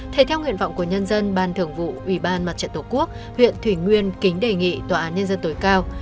thể theo nguyện vọng của nhân dân ban thường vụ ủy ban mặt trận tổ quốc huyện thủy nguyên kính đề nghị tòa án nhân dân tối cao